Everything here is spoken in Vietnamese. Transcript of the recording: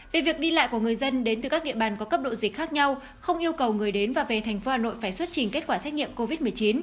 về việc đi lại của người dân đến từ các địa bàn có cấp độ dịch khác nhau không yêu cầu người đến và về thành phố hà nội phải xuất trình kết quả xét nghiệm covid một mươi chín